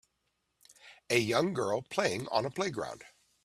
A young girl playing on a playground